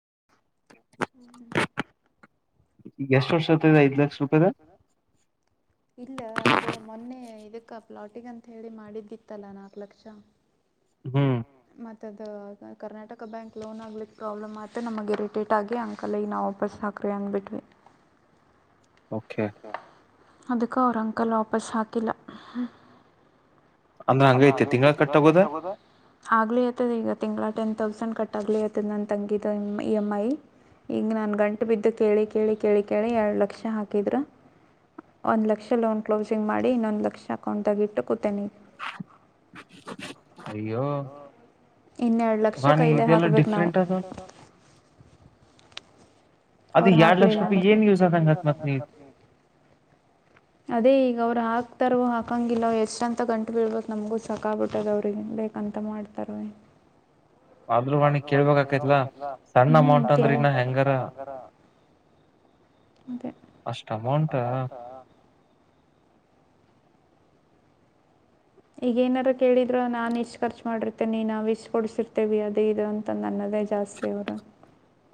[inaudible] [inaudible] ಈಗ ಎಷ್ಟ್ ವರ್ಷ ಆತದ ಐದ್ ಲಕ್ಷ ರೂಪಾಯಿದ ಇಲ್ಲ ಅದ ಮೊನ್ನೆ ಇದಕ್ಕ ಪ್ಲಾಟಿಗ್ ಅಂತ ಹೇಳಿ ಮಾಡಿದ್ದಿತ್ತಲ್ಲಾ ನಾಕ್ಲಕ್ಷ. ಹ್ಮ್ ತದು ಕರ್ನಾಟಕ ಬ್ಯಾಂಕ್ ಲೋನ್ ಆಗ್ಲಿಕ್ಕ್ ಪ್ರಾಬ್ಲಮ್ ಆ ಮತ್ತ ನಮಗೆ ಇರಿಟೇಟ್ ಆಗಿ ಅಂಕಲ್ಗಿ ನಾವು ವಾಪಸ್ ಹಾಕ್ರಿ ಅಂದ್ಬಿಟ್ವಿ. ಓಕೆ. ಅದಕ್ಕ ಅವ್ರ್ ಅಂಕಲ್ ವಾಪಸ್ ಹಾಕಿಲ್ಲ. ಅಂದ್ರ ಹಂಗೈತೆ ತಿಂಗಳ ಕಟ್ಟಾಗೋದ ಆಗ್ಲು ಆಯ್ತಾ ಅದು ತಿಂಗಳ ಟೆನ್ ಥೌಸಂಡ್ ಕಟಾಗ್ಲೇ ಹೇಳ್ತಿ ನನ್ನ ತಂಗಿದ್ದ ಇ ಎಮ್ ಐ ಈಗ ನಾನು ಗಂಟ್ಬಿದ್ದು ಕೇಳಿ ಕೇಳಿ ಕೇಳಿ ಕೇಳಿ ಎರಡು ಲಕ್ಷ ಹಾಕಿದ್ರು ಒಂದು ಲಕ್ಷ ಲೋನ್ ಕ್ಲೋಸಿಂಗ್ ಮಾಡಿ ಇನ್ನೊಂದು ಲಕ್ಷ ಅಕೌಂಟ್ದಾಗ ಇಟ್ಟು ಕುತ್ತನಿ. ಅಯ್ಯೋ. ಇನ್ನೆರಡು ಲಕ್ಷ ವಾಣಿ ಕೈಲೆ ಇದೆಲ್ಲ ಹಾಕ್ಬೇಕು ನಾವ್. ಡಿಫ್ರೆಂಟ್ ಅದ ಅದು ಅವ್ರ ಎರಡ್ ಲಕ್ಷ ಹಾಕ್ಲಿಲ್ಲ ರೂಪಾಯಿ ಏನ್ ಯೂಸ್ ಆದಂಗತ್ ಮತ್ ನೀ ಅದೇ ಈಗ ಅವ್ರ್ ಹಾಕ್ ತರ್ಗು ಹಾಕಂಗಿಲ್ಲ ಎಷ್ಟಂತ ಗಂಟು ಬೀಳ್ಬೇಕು ನಮಗೂ ಸಾಕಾಗ್ಬಿಟ್ಟದ ಅವ್ರಿಗೆ ಬೇಕಂತ ಮಾಡ್ತಾರೊ ಏನೊ. ಆದ್ರೂ ವಾಣಿ ಕೇಳ್ಬೇಕಾಕ್ತೖತ್ ಸಣ್ಣ ಅಮೌಂಟ್ ಹು ಕೇಳ್ ಸಣ್ಣ ಅಮೌಂಟ್ ಅಂದ್ರ ಇನ್ನ ಹೆಂಗಾರ ಹೆಂಗರ ಅದೇ ಅಷ್ಟ್ ಅಷ್ಟ ಅಮೌಂಟ್ ಅಮೌಂಟ ಈಗ ಏನಾರ ಕೇಳಿದ್ರ ನಾನ್ ಇಷ್ಟು ಖರ್ಚು ಮಾಡಿರ್ತೇನ ನಾವು ಇಷ್ಟ್ ಕೊಡ್ಸಿರ್ತವಿ ಅದು ಇದು ಅಂತ ನನ್ನಲ್ ಅದೇ ಜಾಸ್ತಿ ಅವ್ರ.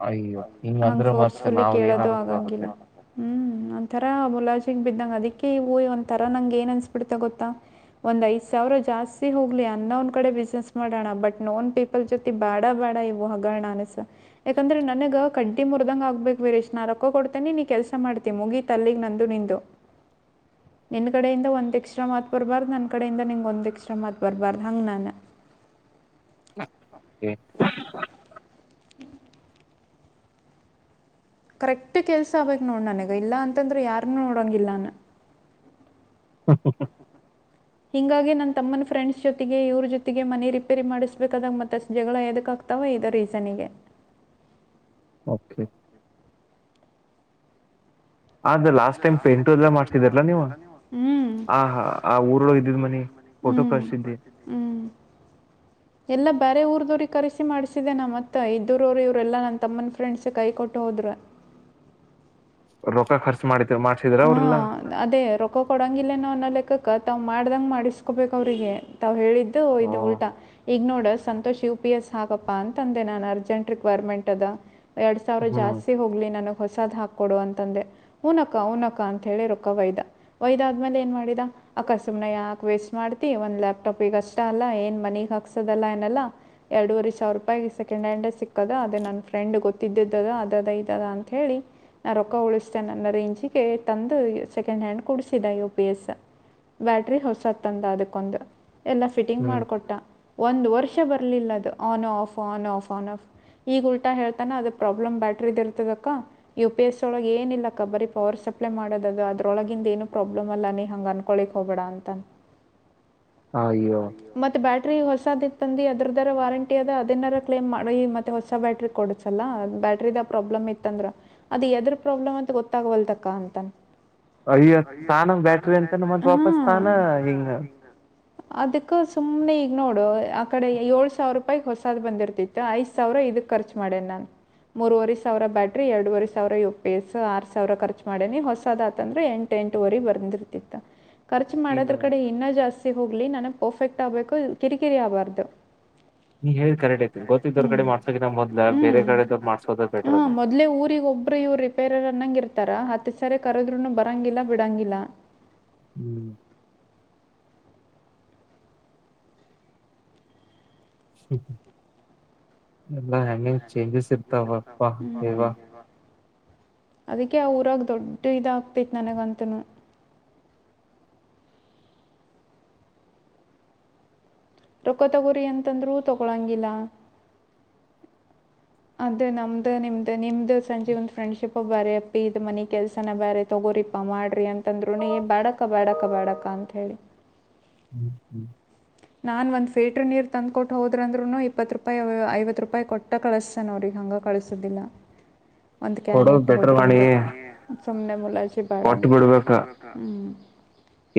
ಅಯ್ಯೋ ಹಿಂಗ ಹಂಗ ಅಂದ್ರ ಮತ್ತೆ ಫೋರ್ಸ್ಫುಲಿ ನಾವ್ ಏನ್ ಕೇಳೋದು ಆಗಂಗಿಲ್ಲ ಅನ್ಕೋಬೇಕೈತಿ ಹ್ಮ್ ಒಂಥರ ಮುಲಾಜ್ ದಿಂಗ್ ಬಿದ್ದಂಗ್ ಅದಕ್ಕೆ ಇವು ಒಂದ್ತರ ನಂಗ ಏನ್ ಅನ್ಸ್ಬಿಡ್ತಾ ಗೊತ್ತಾ ಒಂದ ಐದ್ ಸಾವಿರ ಜಾಸ್ತಿ ಹೋಗ್ಲಿ ಅನ್ನೌವ್ನು ಕಡೆ ಬಿಸ್ನೆಸ್ ಮಾಡೋಣ ಬಟ್ ನೋನ್ ಪೀಪಲ್ ಜೊತಿ ಬೇಡ ಬೇಡ ಇವು ಹಗರಣ ಅನಸ ಯಾಕಂದ್ರೆ ನ ನನಗ ಕಡ್ಡಿ ಮುರ್ದಂಗ ಆಗ್ಬೇಕ ವೀರೇಶ್ ನಾ ರೊಕ್ಕ ಕೊಡ್ತಿ ನೀ ಕೆಲಸ ಮಾಡ್ತಿ ಮುಗೀತ್ ಅಲ್ಲಿಗ್ ನಂದು ನಿಂದು ನಿನ್ನ ಕಡೆಯಿಂದ ಒಂದ ಎಕ್ಸ್ಟ್ರಾ ಮಾತ್ ಬರ್ಬಾರ್ದು ನನ್ನ ಕಡೆಯಿಂದ ನಿನ್ ಒಂದ್ ಎಕ್ಸ್ಟ್ರಾ ಮಾತ್ ಬರ್ಬಾರ್ದು ಹಂಗ ನಾನ. ಹೇ [inaudible] ಕರೆಕ್ಟ್ ಕೆಲ್ಸ ಆಗ್ಬಕ್ನೋಡ್ ನನಗ ಇಲ್ಲಾ ಅಂತಂದ್ರ ಯಾರ್ನು ನೋಡಂಗಿಲ್ಲಾನ. ಹ್ಮ [inaudible] ಹೀಂಗಾಗಿ ನನ್ನ ತಮ್ಮನ ಫ್ರೆಂಡ್ಸ್ ಜೊತೆಗೆ ಇವ್ರ್ ಜೊತೆಗೆ ಮನೆ ರಿಪೇರಿ ಮಾಡಿಸ್ಬೇಕಾದಾಗ ಮತ್ತ ಅಷ್ಟ ಜಗಳ ಎದಕ್ಕಾಗ್ತಾವ ಇದ ರೀಸನಿಗೆ. ಓಕೆ. ಅದ ಲಾಸ್ಟ್ ಟೈಮ್ ಪೇಂಟು ಎಲ್ಲ ಮಾಡ್ಸಿದರಲ್ಲಾ ನೀವು ಹೂ ಆ ಹ ಆ ಊರೊಳಗ ಇದಿದ್ ಮನಿ ಹೂ ಫೋಟೋ ಕಳ್ಸಿದ್ದಿ ಹೂ ಎಲ್ಲಾ ಬ್ಯಾರೆ ಊರದೋರಿಗ್ ಕರೆಸಿ ಮಾಡಿಸಿದ್ದೇನಾ ಮತ್ತ ಇದ್ದರವರು ಇವರೆೆಲ್ಲಾ ನನ್ನ ತಮ್ಮನ ಫ್ರೆಂಡ್ಸ್ ಕೈ ಕೊಟ್ಟ್ ಹೋದ್ರು. ರೊಕ್ಕ ಖರ್ಚು ಮಾಡ ಮಾಡ್ಸಿದ್ರ ಹೂ ಅದೇ ರೊಕ್ಕ ಕೊಡಂಗಿಲ್ಲೇನೋ ಅನ್ನ ಲೆಕ್ಕಕ ತಾವ್ ಮಾಡ್ದಂಗ ಮಾಡಿಸ್ಕೊಬೇಕ ಅವ್ರಿಗೆ ತಾವ ಹೇಳಿದ ಅದು ಓ ಇದು ಉಲ್ಟಾ. ಈಗ ನೋಡ ಸಂತೋಷ್ ಯು ಪಿ ಎಸ್ ಹಾಗಪ್ಪಾ ಅಂತಂದೆ ನಾನ ಅರ್ಜೆಂಟ್ ರಿಕ್ವೈರ್ಮೆಂಟ್ ಅದ. ಎರಡ್ ಸಾವಿರ ಹ್ಮ್ ಜಾಸ್ತಿ ಹೋಗ್ಲಿ ನನಗ್ ಹೊಸದ್ ಹಾಕೊಡು ಅಂತಂದೆ. ಹೂನ ಅಕ್ಕಾ ಹೂನ ಅಕ್ಕಾ ಅಂತ ಹೇಳಿ ರೊಕ್ಕ ವೈದ ವೈದ ಆದ್ಮೇಲೆ ಏನ್ ಮಾಡಿದ ಅಕ್ಕ ಸುಮ್ನೆ ಯಾಕ ವೇಸ್ಟ್ ಮಾಡ್ತಿ ಒಂದ್ ಲ್ಯಾಪ್ಟಾಪ್ಗ ಅಷ್ಟ ಅಲ್ಲಾ ಏನ್ ಮನಿಗ್ ಹಾಕ್ಸದಲ್ಲ ಏನಲ್ಲಾ ಎರಡೂವ ಸಾವಿರ ರೂಪಾಯಗ ಸೆಕೆಂಡ್ ಹ್ಯಾಂಡ್ ಸಿಕ್ಕದ ಅದೇ ನನ್ ಫ್ರೆಂಡ್ ಗೊತ್ತಿದ್ದಿದ್ದದ ಅದ ಇದ ಅದ ಅಂತ ಹೇಳಿ ನಾ ರೊಕ್ಕ ಉಳಸಿ. ರೇಂಜಗೆ ತಂದು ಸೆಕೆಂಡ್ ಹ್ಯಾಂಡ್ ಕುಡ್ಸಿದ ಯು ಪಿ ಎಸ್ ಬ್ಯಾಟ್ರಿ ಹೊಸದ್ ತಂದ ಅದಕ್ಕೊಂದು. ಎಲ್ಲ ಫಿಟಿಂಗ್ ಹ್ಮ್ ಮಾಡ್ಕೊಟ್ಟ. ಒಂದ್ ವರ್ಷ ಬರ್ಲಿಲ್ಲ ಅದ on off on off on off ಈಗ ಉಲ್ಟಾ ಹೇಳ್ತಾನ ಅದ ಪ್ರಾಬ್ಲಮ್ ಬ್ಯಾಟರಿದ ಇರ್ತದಕ್ಕ ಯು ಪಿ ಎಸ್ ಒಳಗೆ ಏನಿಲ್ಲ ಕ್ಕ ಬಾರಿ ಪವರ್ ಸಪ್ಲೈ ಮಾಡೋದದು ಅದ್ರೊಳಗಿಂದ ಏನು ಪ್ರಾಬ್ಲಮ್ ಅಲ್ಲ ನೀ ಹಂಗ ಅನ್ಕೊಳಕ್ ಹೋಗಬೇಡ ಅಂತ. ಅಯ್ಯೋ ಮತ್ತೆ ಬ ಬ್ಯಾಟ್ರಿ ಹೊಸದ್ ಇತ್ತ ಅಂದ ಅದ್ರದರ ವಾರಂಟಿ ಅದ ಅದಾರ ಕ್ಲೇಮ್ ಮಾಡ ಮತ್ತೆ ಹೊಸ ಬ್ಯಾಟ್ರಿ ಕೊಡಸಲ್ಲ ಬ್ಯಾಟ್ರಿದ ಪ್ರಾಬ್ಲಮ್ ಇತ್ತ ಅಂದ್ರ ಅದು ಎದ್ರ ಪ್ರಾಬ್ಲಮ್. ಗೊತ್ತಾಗವಲ್ತ ತಕ್ಕಾ ಅಂತಾನ. ಅಯ್ಯ ತಾನ ಬ್ಯಾಟ್ರಿ ಅಂತನೆ ಮತ್ ವಾಪಸ್ ತಾನ ಹಿಂಗ. ಅದಕ್ಕ ಸುಮ್ನೆ ಈಗ ನೋಡು ಆ ಕಡೆ ಏಳ್ ಸಾವಿರ ರೂಪಾಯ ಹೊಸಾದ್ ಬಂದಿರ್ತಿತ್ತು ಐದ್ ಸಾವಿರ ಇದಕ್ ಖರ್ಚು ಮಾಡೇನ್ ನಾನ್ ಮೂರವರೆ ಸಾವಿರ ಬ್ಯಾಟ್ರಿ ಎರಡೂವರೆ ಸಾವಿರ ಯು ಪಿ ಎಸ್. ಆರ್ ಸಾವಿರ ಖರ್ಚು ಮಾಡೇನೀ ಹೊಸದ ಆತಂದ್ರ ಎಂಟ ಎಂಟುವರಿಗೆ ಬಂದಿರ್ತಿತ್ತ. ಖರ್ಚು ಈಗ ಮಾಡೋದ್ರ ಕಡೆ ಇನ್ನ ಜಾಸ್ತಿ ಹೋಗ್ಲಿ ನನಗ ಪರ್ಫೆಕ್ಟ್ ಆಗ್ಬೇಕು ಕಿರಿಕಿರಿ ಆಗ್ಬಾರ್ದ. ನೀ ಹೇಳಿ ಕರೆಕ್ಟ್ ಐತಿ ಗೊತ್ತಿದ್ದವ್ರ ಹುಮ್ಮ್ ಕಡೆ ಮಾಡ್ಸೋಕಿನ ಮೊದ್ಲ ಬೇರೆ ಹ್ಮ್ ಕಡೆದವ್ರು ಮಾಡ್ಸೋದ ಬೆಟರ್ ಹ ಅದ ಮೊದ್ಲೆೇ ಊರಿಗ ಒಬ್ರು ಇವ್ರ. ಅನ್ನಂಗ ಇರ್ತಾರ ಹತ್ತು ಸರಿ ಕರಾದೋರು ಬರಂಗಿಲ್ಲ ಬಿಡಂಗಿಲ್ಲ. ಹ್ಮ್. ಹೂ. ಎಲ್ಲ ಹೆಂಗೆಂಗ ಚೇಂಜಸ್ ಇರ್ತಾವಪ್ಪ ದೇವಾ. ಅದಕ್ಕೆ ಆ ಊರಾಗ ದೊಡ್ಡ ಇದಾಗಗ್ತೈತ್ ನನಗಂತನೂ ರೊಕ್ಕ ತಗೋರಿ ಅಂತಂದ್ರು ತಗೊಳಂಗಿಲ್ಲ. ಅದೇ ನಮ್ದ್ ನಿಮ್ದ್ ನಿಮ್ದ್ ಸಂಜೀವ್ ದ ಫ್ರೆಂಡ್ಶಿಪ್ ಬ್ಯಾರೆ ಅಪ್ಪಿ ಇದ್ ಮನಿ ಕೆಲ್ಸನ ಬ್ಯಾರೆ ತಗೋರಿಿಪಾ ಮಾಡ್ರಿ ಅಂತ ತಂದ್ರರುನು ಏ ಬ್ಯಾಡ ಅಕ್ಕಾ ಬ್ಯಾಡ ಅಕ್ಕಾ. ಮಾಡಕ ಅಂತ ಹೇಳಿ. ಹ್ಮ್ ಹ್ಮ್. ನಾನ ಒಂದು ಫಿಲ್ಟರ್ ನೀರು ತಂದು್ ಕೊಟ್ಟು ಹೋದ್ರಂದ್ರರು ಇಪ್ಪತ್ತು ರೂಪಾಯಿ ಐವತ್ತು ರೂಪಾಯಿ ಕೊಟ್ಟ ಕಳಿಸಸೇನ ಅವ್ರಿಗೆ ಹಂಗ ಕಳಸೋದಿಲ್ಲ. ಒಂದ್ ಕ್ಯಾನ್ ಕೊಡೋದು ಇಟ್ಟ ಬೆಟರ್ ಹೋದ್ರ ಮಾಡಿ ಅಂದ್ರ ಸುಮ್ನೆ ಮುಲಾಜಿ ಬೇಡ ಅ ಕೊಟ್ಟ ಹ್ಮ ಬಿಡ್ಬೇಕ ಕೋಟಿಬಿಡ್ಬೇಕು ಹ್ಮ್ಮ್.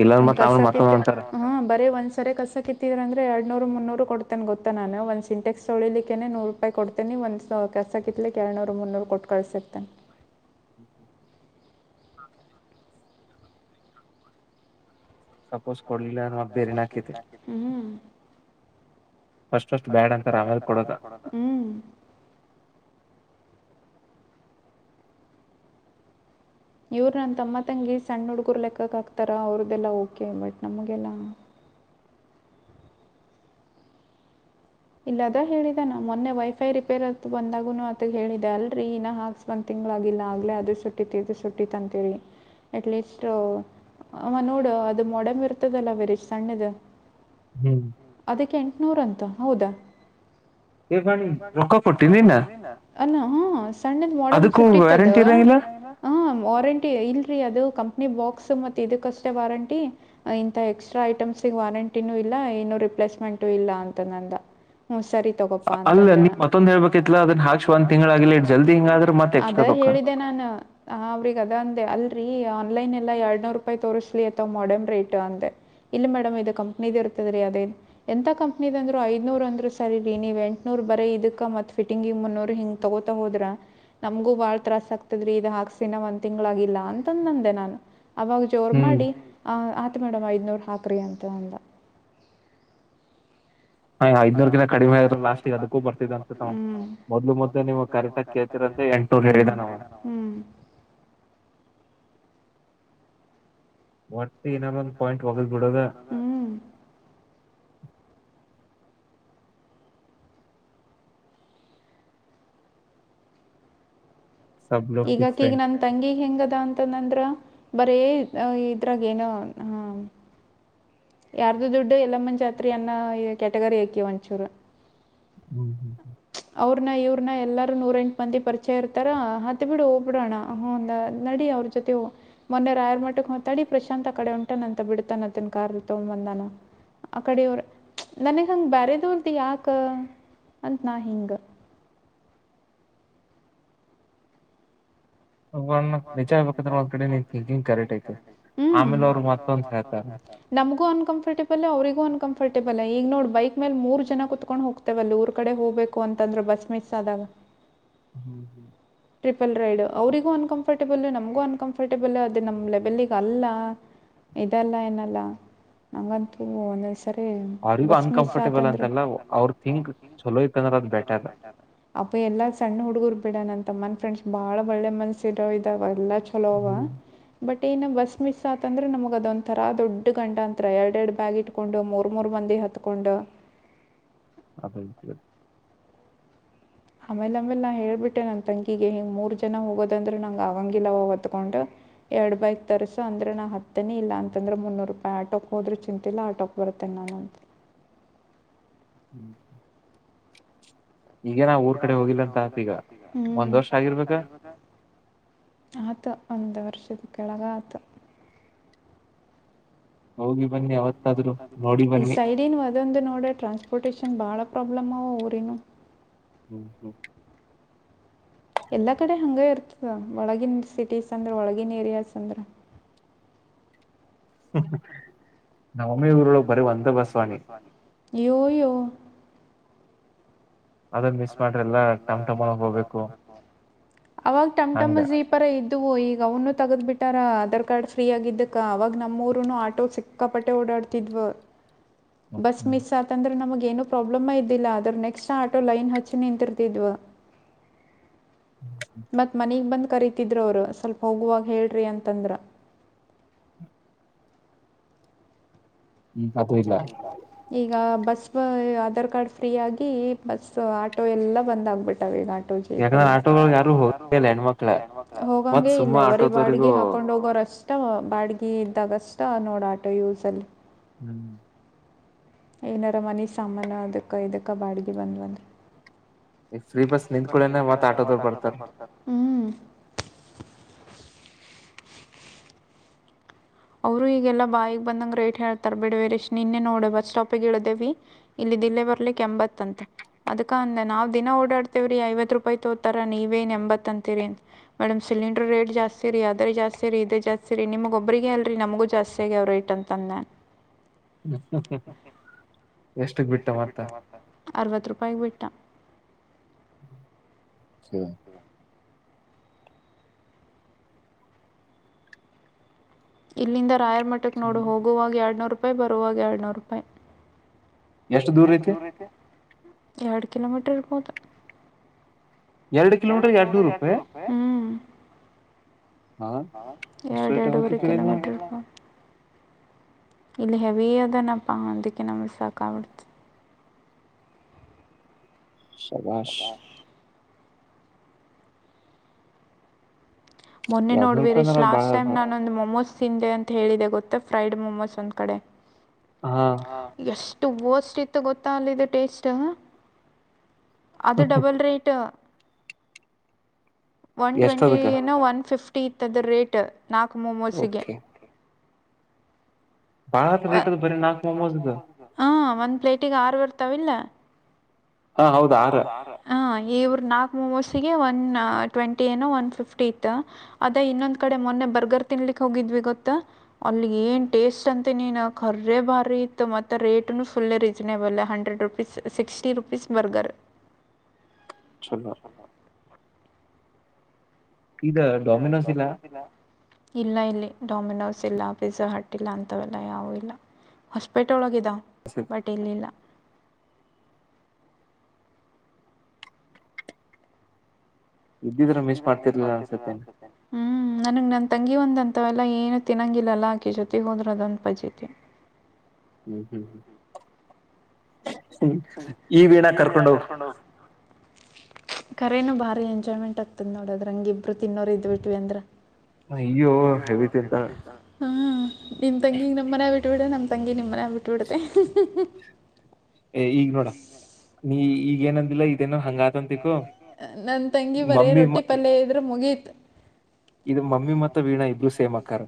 ಇಲ್ಲಾಂದ್ರ ಒಂದ್ ಮತ್ ಕಸ ಆಮೇಲೆ ಮತ್ತೊಂದ ಕೀತ್ತ ಅಂತಾರ ಹಾ ಬರೀ ಒಂದ್ಸರಿ ಕಸಕ್. ಕಿತ್ತಿದ್ರಂದ ಎರಡು ನೂರು ಮುನ್ನೂರು ಕೊಡ್ತೇನೆ ಗೊತ್ತಾ ನಾನ ಒಂದು ಸಿಂಟೆಕ್ಸ್ ತೊಳಿಲಿಕ್ಕೆೇನೆ ನೂರು ರೂಪಾಯಿ ಕೊಡ್ತೇನಿ ಒಂದು ಕೆಸಕಿತ್ತಲಿಕ್ಕೆ ಎರಡು ನೂರು ಮುನ್ನೂರು ಕೊಟ್ಟು ಕಳ್ಸಿರ್ತೇನ. [inaudible] ಸಪ್ಪೋಸ್ ಕೊಡ್ಲಿಲ್ಲನ ಬೇರೆೆನ ಆಕ್ಕೆತಿ ಹೂ. ಫಸ್ಟ್ ಫಸ್ಟ ಫಸ್ಟ್ ಅಂತಾರ ಬ್ಯಾಡ್ ಆಮೇಲೆ ಅಂತರಾ ಕೊಡೋದ ಆಮೇಲ್ ಕೊಡೂಂತಾರ್ ಹೂ. ಇವ್ರು ನನ್ನ ತಮ್ಮ ತಂಗಿ ಸಣ್ಣ ಹುಡುಗರು ಲೆಕ್ಕಕ್ ಆಕ್ತಾರ ಅವ್ರ್ದೆಲ್ಲ ಓಕೆ ಬಟ್ ನಮಗೆಲ್ಲ ಇಲ್ಲದ ಹೇಳಿದಾನ ಮೊನ್ನೆ ವೈಫೈ ರಿಪೇರ್ ಆಂತ್ ಬಂದಾಗುನು ಅತಗ್ ಹೇಳಿದೆ ಅಲ್ರಿ ಇನ್ನ ಹಾಕ್ಸ್ ಒಂದ್ ತಿಂಗ್ಳಾಗಿಲ್ಲ ಆಗ್ಲೇ ಅದು ಸುಟ್ಟಿತ್ ಇದು ಸುಟ್ಟಿತ್ ಅಂತೇಳಿ ಅಟ್ಲೀಸ್ಟ್ ಅವ ನೋಡು ಅದು ಮೊಡಮ್ ಇರ್ತದಲ್ಲ ವೆರಿ ಸಣ್ಣದು ಹ್ಮ್ ಅದಕ್ಕೆ ಎಂಟ್ನೂರ ಅಂತ. ಹೌದಾ? ಏ ವಾಣಿ ರೊಕ್ಕ ಕೊಟ್ಟಿನಿನ ಅಲ್ಲ ಹ ಸಣ್ಣದ್ ಮೋಡಮ್ ಅದಕ್ಕೂ ಸುಟ್ಟಿತ್ತದು ವ್ಯಾರಂಟಿ ಇರಂಗಿಲ್ಲ ಹ ವಾರಂಟಿ ಇಲ್ರಿ ಅದು ನೀವ್ ಬಾಕ್ಸ್ ಮತ್ತ ಇದಕ್ಕಷ್ಟೇ ವಾರಂಟಿ ಇಂತ ಎಕ್ಸ್ಟ್ರಾ ಐಟಮ್ಸ್ಗ್ ವಾರಂಟಿನೂ ಇಲ್ಲ ಏನು ರಿಪ್ಲೇಸ್ಮೆಂಟು ಇಲ್ಲ ಅಂ ತ್ತೆನಂದ ಹ್ಮ್ ಸರಿ ತಗೊಪ ಅಲ್ಲ ಅಂತಂದೆ ನೀ ನಾನ್ ಮತ್ತೊಂದ್ ಹೇಳ್ಬೇಕಿತ್ಲ ಅದನ್ನ ಹಾಕ್ಸಿ ಒಂದ್ ತಿಂಗಳಾಗಿಲ್ಲ ಇಟ್ ಜಲ್ದಿ ಹಿಂಗಾದ್ರ ಮತ್ತೆ ಎಕ್ಸ್ಟ್ರಾ ಅದೇ ರೊಕ್ಕ ಹೇಳಿದ ನಾನು ಅವ್ರಿಗೆ ಅದ ಅಂದೆ ಅ ರೀ ಆನ್ಲೈನೆಲ್ಲ ಎರಡ್ ನೂರ್ ರೂಪಾಯಿ ತೋರ್ಸ್ಲಿ ಅತ ಮಾಡೆಮ್ ರೇಟು ಅಂದೆ ಇಲ್ಲ ಮೇಡಮ್ ಇದು ಕಂಪ್ನಿದು ಇರ್ತದೀ ಅದೆ ಎಂತ ಕಂಪ್ ನಿದಂದ್ರು ಐದ್ನೂರ್ ಅಂದ್ರು ಸರಿರಿ ನೀವ್ ಎಂಟನೂರ್ ಬರೀ ಇದಕ್ಕ ಮತ್ ಫಿಟಿಂಗ್ ಮುನ್ನೂರ್ ಹಿಂಗ ತಗೋತಾ ಹೋದ್ರ ನಮ್ಗೂ ಬಾಳ್ ತ್ರಾಸ್ ಆಗ್ತದ್ರೀ ಇದ ಹಾಕ್ಸಿನ್ನ ಒಂದ್ ತಿಂಗಳಾಗಿಲ್ಲ ಅಂತಂದಂದೆ ನಾನು. ಅವಾಗ ಜೋರ್ ಹ್ಮ್ ಮಾಡಿ ಆ ಅ ತು ಮೇಡಮ್ ಐದ್ನೂರ್ ಹಾಕ್ರಿ ಅಂತ ಅಂದ. ಹ ಐದ್ನೂರ್ಕಿಂತ ಕಡಿಮೆ ಆದ್ರ ಲಾಸ್ಟಿಗೆ ಅದಕ್ಕೂ ಬರ್ತಿದ ಅಂತ ನಾವು ಮೊದ್ಲು ಮೊದ್ಲು ನೀವು ಹುಂ ಕರೆಕ್ಟಾಗಿ ಕೇಳ್ತಿರಂತೆ ಎಂಟ್ನೂರ್ ಹೇಳಿದ ನಾವ ಹುಂ ಒಟ್ಟು ಏನಾದೊಂದು ಪಾಯಿಂಟ್ ಒಗದ್ಬಿಡದ. ಹ್ಞೂ ಸಬ್ ಲೋಕ್ ಈಗಾಕಿಗ್ ಡಿಫ್ರೆಂಟ್ ನನ್ ತಂಗಿಗ್ ಹೆಂಗದ ಅಂ ತನಂದ್ರ ಬರೇ ಇದ್ರಾಗ ಏನು ಹ ಯಾರ್ದು ದುಡ್ಡು ಎಲ್ಲಮ್ಮ ಜಾತ್ರಿ ಅನ್ನೊ ಕ್ಯಾಟಗರಿ ಆಕಿ ಒಂಚೂರು. ಹ್ಮ್ ಹ್ಮ್ ಅವ್ರ್ನ ಇವ್ರ್ನ ಎಲ್ಲಾರೂ ನೂರೆಂಟ್ ಮಂದಿ ಪರಿಚಯ ಇರ್ತಾರ ಹತ್ ಬಿಡು ಹೋಗ್ಬಿಡೋಣ ಹಂ ದ ನಡಿ ಅವ್ರ ಜೊತೆ ಮೊನ್ನೆ ರಾಯರ್ ಮಟ್ಟಕ್ ಹೊ ತಡಿ ಪ್ರಶಾಂತ್ ಆ ಕಡೆ ಹೊಂಟಾನಂತೆ ಬಿಡ್ತಾನ ಆತನ್ ಕಾರ್ಲ್ ತೊಗಂಬಂದಾನ ಆ ಕಡೆ ಇವ್ರ್ ನನಗ್ ಹಂಗ ಬಾರೆದವಲ್ದು ಯಾಕ. ಅಂತನಾಹಿಂಗ್. ಹ್ಮ್ ನಿಜ ಹೇಳ್ಬೇಕಂದ್ರೆ ಒಂದ್ ಕಡೆ ನೀನ್ ಥಿಂಕಿಂಗ್ ಕರೆಕ್ಟ್ ಐತಿ ಆಮೇಲೆ ಹುಂ ಅವ್ರು ಮತ್ತೊಂದ ಹೇಳ್ತಾರ ನಮಗೂ ಅನ್ಕಂಫರ್ಟೆಬಲು ಅವ್ರ್ಗೂ ಅನ್ಕಂರ್ಟೆ ಬಲ್ಲ್ ಈಗ್ನೋಡ್ ಬೈಕ್ ಮೇಲೆ ಮೂರ್ ಜನ ಕುತ್ಕೊಂಡ್ ಹೋಗ್ತೇವಲ್ಲ ಊರ್ ಕಡೆ ಹೋಗ್ಬೇಕು ಅಂತ ಅಂದ್ರೆ ಬಸ್ ಮಿಸ್ ಆದಾಗ ಹ್ಮ್ ಹ್ಮ್ ಟ್ರಿಪಲ್ ರೈಡು ಅವ್ರಿಗೂ ಅನ್ಕಂಫರ್ಟೆಬಲ್ ನಮಗೂ ಅನ್ಕಂಫರ್ಟೆಬಲ್ ಅದು ನಮ್ಮ ಲೆವೆಲ್ಗೆ ಅಲ್ಲ ಇದಲ್ಲ ಏನಲ್ಲ ನಂಗಂತೂ ಒಂದಂ ಬರಿ ಅವ್ರಿಗೂ ಅನ್ಕಂಫರ್ಟೇಬಲ್ ಬಸ್ಮಿಸಾತಂದ್ರೆ ಅಂತಲ್ಲ ಅವ್ರ ಥಿಂಕ್ ಚಲೋ ಇತ್ತಂದ್ರೆ ಅದ್ ಬೆಟರ್ ಅಪ ಎಲ್ಲಾ ಸಣ್ಣ ಹುಡುಗರ್ ಬಿಡನಂತ. ತಮ್ಮನ್ ಫ್ರೆಂಡ್ಸ್ ಬಹಳ ಒಳ್ಳೆ ಮನಸಿಡೋವಿದಾವ್. ಅವೆಲ್ಲ ಚಲೋ ಆವಾ ಬಟ್ ಟೇನ ಬಸ್ ಮಿಸ್ ಆತಂದ್ರೆ ನಮಗ ಅದೊಂದ್ತರಾ ದೊಡ್ಡ ಗಂಡಾಂತ್ರ ಎರಡೆರಡ್ ಬ್ಯಾಗ್ ಇಟ್ಕೊಂಡು ಮೂರ್ ಮೂರ್ ಮಂದಿ ಹತ್ಕೊಂಡು [unintelligible] ಆಮೇಲಾಮೇಲ್ ನಾ ಹೇಳ್ಬಿಟ್ಟೆ ನನ್ ತಂಗಿಗೆ ಹಿಂಗ ಮೂರ್ಜನ ಹೋಗೋದಂದ್ರೆ ನಂಗ ಆಗಂಗಿಲ್ಲವ ಹೊತ್ಕೊಂಡು. ಎರಡ್ ಬೈಕ್ ತರಿಸು ಅಂದ್ರೆ ನಾ ಹತ್ತೀನಿ ಇಲ್ಲ ಅಂತಂದ್ರ ಮುನ್ನೂರ್ ರೂಪಾಯಿ ಆಟೋಕ್ ಹೋದ್ರೂ ಚಿಂತಿಲ್ಲ ಆಟೋಕ್ ಬರ್ತೇನೆ ನಾನು ಅಂತ. ಹ್ಮ್ ಈಗೇನ್ ಊರ್ ಕಡೆ ಹೋಗಿಲ್ಲ ಸಾತ್ ಈಗ ಒಂದ್ ವರ್ಷ ಆಗಿರ್ಬೇಕದ ಆತ ಒಂದ್ ವರ್ಷದ್ ಕೆಳಗ್ ಆತ. ಹೋಗಿ ಬನ್ನಿ ಅವಾವತ್ತಾದ್ರ್ ನೋಡಿ ಬನ್ನಿ ಇದೊಂದು ನೋಡ್ರ ಟ್ರಾನ್ಸ್ಪೋರ್ಟೇಶನ್ ಬಹಳ್ ಪ್ರಾಬ್ಲಮ್ ಅವ್ ಊರಿನ್ ಹ್ಮ್ ಹ್ಮ್ ಎಲ್ಲಾ ಕಡೆ ಹಂಗ್ ಇರ್ತದ್ ಒಳಗಿನ್ ಸಿಟೀಸ್ ಅಂದ್ರೆ ಒಳಗಿನ್ ಏರಿಯಾಸ್ ಅಂದ್ರೆ. ಹ ನಮಮಿ ಊರ್ಲ ಬರಿ ವಂದೆ ಬಾಸವಾಣಿ ಯ ಯೋ ಅದ್ ಮಿಸ್ ಮಾಡ್ರೆ ಎಲ್ಲ ಟಮ್ ಟಮಲ್ ಹೋಗಬೇಕು. ಅವಾಗ್ ಟಮ್ಟಮ್ಮ ಜೀಪರ ಇದವು ಈಗ ಅವನು ತಗದ್ ಬಿಟ್ಟಾರ ಅದರ್ ಕಾರ್ಡ್ ಫ್ರೀ ಆಗಿದ್ದಕ್ಕ ಅವಾಗ್ ನಮ್ಮೂರನು ಆಟೋ ಸಿಕ್ಕಾಪಟ್ಟೆ ಓಡಾಡ್ತಿದ್ವ. ಬಸ್ ಮಿಸ್ ಆತಂದ್ರೆ ನಮಗೆ ಏನು ಪ್ರಾಬ್ಲಮ್ ಇದಿಲ್ಲ ಆದ್ರ ನೆಕ್ಸ್ಟ್ ಆಟ ಲೈನ್. ನ್ ಹಚ್ಚಿ ನಿಂತಿರ್ತಿದ್ವಾ. ಮತ್ತ್ ಮನಗ್ ಬಂದ್ ಕರತಿದ್ರ ಅವರು ಸ್ವಲ್ಪ ಹೋಗುವಾಗ ಹೇಳ್ರಿ ಅಂತಂದ್ರ ಈಗ ಅದು ಇಲ್ಲ [inaudible] ಈಗ ಬಸ್ ಆಧಾರ್ ಕಾರ್ಡ್ ಫ್ರೀ ಆಗ್ ಬಸ್ ಆಟೋ ಎಲ್ಲ ಬಂದ್ ಆಗ್ಬಿಟ್ಟಾವ ಈಗ ಯಾಕಂದ್ರೆ ಆಟೋಗಳು ಯಾರು ಹೋಗಲ್ಲ ಹೆಣ್ಮಕ್ಳ ಆ ಮತ್ ಹೋಗಂಗಗೆ ಸುಮ್ಮ ಇಲ್ಲ ಬರೀ ಆಟೋದವರಿಗೂ ಬಾಡಿಗೆ ಹಾಕೊಂಡ್ ಹೋಗೋರಷ್ಟ್ ಅಷ್ಟ್ ಬಾಡಗ್ ಇದ್ದಾಗ ಅಷ್ಟ ನೋಡ ಆಟೋ ಯೂಸ್ ಅಲ್ಲಿ. ಹ್ಮ್ ಏನಾರ ಮನಿ ಸಾಮಾನ ಅದಕ್ಕ ಇದಕ್ಕ ಬಾಡಿಗೆ ಬಂದ್ವಂದ ಈ ಫ್ರೀ ಬಸ್ ನಿಂದಕಳನ ಮತ್ ಆಟೋದವರ್ ಬರ್ತಾರೆ. [inaudible] ಅವರು ಈಗೆಲ್ಲ ಬಾಯಗ್ ಬಂದಂಗ ರೇಟ್ ಹೇಳ್ತಾರ ಬಿಡ ವೀರೇಶ್ ನಿನ್ನೆ ನೋಡ ಬಸ್ ಸ್ಟಾಪಗ ಇಳ್ದೇವಿ ಇಲ್ಲಿ ದಿಲ್ಲೇ ಬರ್ಲಿಕ್ ಎಂಬತ್ ಅಂತ ಅದಕ ಅಂದ ನಾವವು ದಿನಾ ಓಡಾಡ್ತೇವ್ರೀ ಐವತ್ ರೂಪಾಯಿ ತೋತಾರ ನೀವೇನ್ ಎಂಬತ್ ಅಂತಿರಿ ಮೇಡಮ್ ಸಿಲಿಂಡರ್ ರೇಟ್ ಜಾಸ್ತಿ ರರಿ ಅದ್ರ ಜಾಸ್ತಿ ರರಿ ಇದ ಜಾಸ್ತಿರಿ ನಿಮ್ಗೊ ಒಬ್ರರಿಗೆ ಆಲ್ [inaudible] ನಮಗೂ ಜಾಸ್ತಿಯಾಗಿ ಅವ್ರು ರೇಟ್ ಅಂತಂದು ನಾನು ಎತ [inaudible] ಎಷ್ಟಕ್ ಬಿಟ್ಟ್ ಮಾಡ್ತ ಅರವತ್ತು ರೂಪಾಯ್ಗೆ ಬಿಟ್ಟಾ. ಹ ಇಲ್ಲಿಂದ್ ರಾಯರ್ ಮಟ್ಟಕ್ಕ್ ನೋಡು ಹೋಗುವಾಗ್ ಎರಡ್ನೂರು ರೂಪಾಯಿ ಬರುವಾಗ್ ಎರಡುನೂರು ರೂಪಾಯಿ. ಎಷ್ಟ್ ದೂರ್ ಐತಿ ಎರಡ್ ಕಿಲೋಮೀಟರ್ ಮೋದ್ ಎರಡ್ ಕಿಲೋಮೀಟರ್ ಎಡ್ನೂರ್ ರೂಪಾಯಿ ಹಾ ಅಷ್ಟು ಎರಡ್ ರೇಟ್ ಯಾವತ್ತು ಎರಡೂುವರೆ ಕೇಳಿಲ್ಲ ಕಿಲೋಮೀಟರ್ ಪ ಇಲ್ಲಿ ಹೆವಿ ಅದನಪ್ಪ್ಶ ಅದಕ್ಕೆ ನಮ್ಗೆ ಸಾಕಬಿಡ್ತದೆ. ಸಬಾಷ್ ಮೊನ್ನೆ ನೋಡ್ ಎರಡ್ನೂರು ರೂಪಾಯಿ ವೀರೀಶ್ ಅಂದ್ರ ಬಾಳ ಲಾಸ್ಟ್ ಟೈಮ್ ಅದ ನಾನ್ ಒಂದ್ ಮೊಮೋಸ್ [inaudible] ಅಂತ್ ಹೇಳಿದೆ ಗೊತ್ತಾ ಫ್ರೈಡ್ ಮೊಮೋಸ್ ಒಂದ್ ಕಡೆ. ಹಾ ಹ ಷ್ಟು ವೋಸ್ಟ್ ಇತ್ತ್ ಗೊತ್ತ ಅಲ್ಲಿದ್ ಟೇಸ್ಟ್ ಅದ್ ಡಬಲ್ ರೇಟ್ ಒನ್ ಎಷ್ಟ ಟ್ವೆಂಟಿ ಅದಕ್ಕ ಒನ್ ಫಿಫ್ಟಿ ತದ್ ರೇಟ್ ನಾಲ್ಕು ಮೊಮೋಸ್ಗೆ. ಓಕೆ ಬಾಳ ರೇಟ್ ಅದ ಬರೀ ನಾಕ್ ಮೊಮೋಸ್ದ ಹಾ ಒಂದ್ ಪ್ಲೇಟಿಗೆ ಆರು ಬರ್ತಾವಿಲ್ಲ ಹಾ ಹೌದ ಹ ಆರ ಹೌದ್ ಇವ್ರ ನಾಕ್ ಮೊಮೋಸಿಗೆ ಒನ್ ಟ್ವೆಂಟಿ ಏನೋ ಒನ್ ಫಿಫ್ಟಿ ಇತ್ತ್ ಅದೇ ಇನ್ನೊಂದ್ ಕಡೆ ಮೊನ್ನೆ ಬರ್ಗರ್ ತಿನ್ಲಿಕ್ ಹೋಗಿದ್ವಿ ಗೊತ್ತ ಅಲ್ಲಿ ಏನ್ ಟೇಸ್ಟ್ ಅಂತ್ ಮತ್ತ್ ನೀನ್ ಕರ್ರೆ ಭಾರಿ ಇತ್ತು ಮತ್ತುತ್ತ್ ರೇಟನು ಫುಲ್ಲೇ reasonable hundred rupees sixty rupees burger ಚಲೋ ಇದ ಡೊಮಿನೋಸ್ ಇಲ್ಲ ಇಲ್ಲ ಇಲ್ಲಿ ಡಾಮಿನೋಸ್ ಇಲ್ಲ ಪಿಜ್ಜಾಹಟ್ ಹಿಲ್ಲ ಅಂತವಲ್ಲ ಯಾವ್ ಇಲ್ಲ ಹಾಸ್ಪೆಟಲ್ ಒ ಬಟ್ ಇಲಿಲ್ಲ ಇದ್ದಿದ್ರೆ ಮಿಸ್ ಮಾಡ್ತಿರ್ಲಿಲ್ಲ ಅನ್ಸತೇನೆ ನನಗೆ ನನ್ನ ತಂಗಿ ಒಂದಂತಥವೆಲ್ಲ ಏನು ತಿನ್ನೊಂಗಿಲ್ಲಲ್ಲ ಆಕೆ ಜೊತೆಗೆ ಹೋದ್ರ ಅದೊಂದು ಪಜೈತೆ. ಹ ಹ್ಮ ಈಗಣ ಕರ್ಕೊಂಡೋಗ್ ಕರೇನನ್ ಭಾರಿ ಎಂಜಾಯ್ಮೆಂಟ್ ಆಗ್ತದ್ ನೋಡದ್ರ ಹಂಗ್ ಇಬ್ರು ತಿನ್ನೋರು ಇದ್ಬ ಬಿಟ್ವಿ ಅಂದ್ರೆ ಅಯ್ಯೋ ಹೆವಿತಿ ಅಂತ ಹ ನಿನ್ ತಂಗಿ ನಮ್ಮ್ ಮನೆ ಬಿಟ್ಟ್ ಬಿಟ್ಟ್ಬಡ್ ನಮ್ ತಂಗಿ ನಿಮ್ಮನೆಗ್ ಬಿಟ್ಟಬಿಡತೆ ಈಗ್ ನೋಡ್ ನೀ ಈಗ್ ಏನಂದಿಲ್ಲ ಇದೇನೋ ಹಂಗ್ ನನ್ ತಂಗಿ ಬರೀ ರೊಟ್ಟಿ ಪಲ್ಯ ಇದ್ರೆ ಮುಗಿತ್ತು ಇದು ಮಮ್ಮಿ ಮತ್ತ ವೀಣಾ ಇಬ್ರು ಸೇಮ್ ಅಕ್ಕಾರ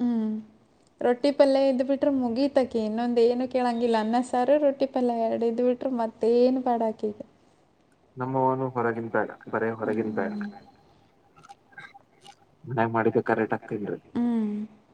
ಹ್ಮ್ ರೊಟ್ಟಿ ಪಲ್ಯ ಇದ್ದ್ ಬಿಟ್ರೆ ಮುಗಿತ್ ತ್ತಾಕಿ ಇನ್ನೊಂದ ಏನು ಕೇಳಂಗಿಲ್ಲ ಅನ್ನ ಸಾರು ರೊಟ್ಟಿ ಪಲ್ಯ ಎಡದ್ ಬಿಟರು ಮತ್ತ್ ಏನ್ ಬಾಡಾಕಿಗೆ. ನಮ್ಮ್ ನು ಹೊರಗಿಂದ್ ಬ್ಯಾಡ ಬರೇ ಹೊರಗಿನ್ ಬ್ಯಾ ಹಾಗ್ ಮಾಡ್ಬೇಕ್ ಆಗ್ತಿಲ್ರಿ ಕರೆ [inaudible]